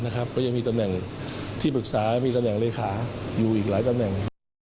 ก็ยังมีตำแหน่งที่ปรึกษามีตำแหน่งเลขาอยู่อีกหลายตำแหน่ง